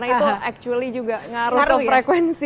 nah itu sebenarnya juga ngaruh ke frekuensi